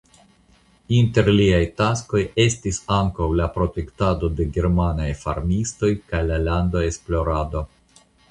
Inter liaj taskoj estis ankaŭ la protektado de germanaj farmistoj kaj la landa esplorado.